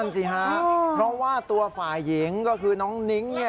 นั่นสิครับเพราะว่าตัวฝ่ายหญิงก็คือน้องนิ๊ง